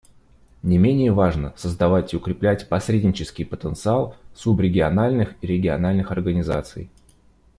Не менее важно создавать и укреплять посреднический потенциал субрегиональных и региональных организаций.